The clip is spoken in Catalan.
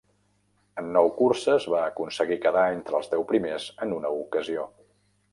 En nou curses, va aconseguir quedar entre els deu primers en una ocasió.